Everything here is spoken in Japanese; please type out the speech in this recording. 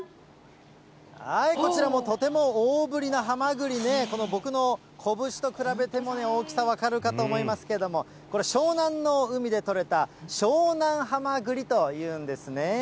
こちらもとても大ぶりなはまぐりね、僕の拳と比べても大きさ分かるかと思いますけども、これ、湘南の海で取れた、湘南はまぐりというんですね。